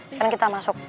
sekarang kita masuk